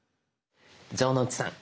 城之内さん